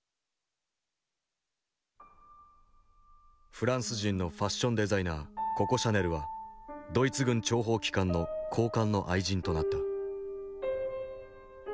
フランス人のファッションデザイナーココ・シャネルはドイツ軍諜報機関の高官の愛人となった。